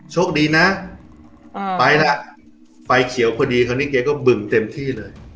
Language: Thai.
โชคดีนะไปแล้วไฟเขียวพอดีคราวนี้แกก็บึงเต็มที่เลย